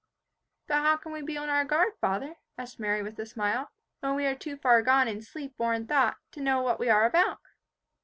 "But how can we be on our guard, father," asked Mary with a smile, "when we are too far gone in sleep or in thought, to know what we are about!"